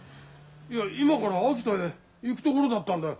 いや今から秋田へ行くところだったんだよ。